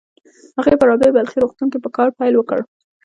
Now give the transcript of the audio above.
هغې په رابعه بلخي روغتون کې په کار پيل وکړ.